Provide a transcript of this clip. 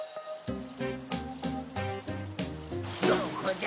どこだ？